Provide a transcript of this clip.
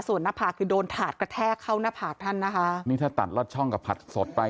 ส่วนหน้าผากคือโดนถาดกระแทกเข้าหน้าผากท่านนะคะนี่ถ้าตัดลอดช่องกับผัดสดไป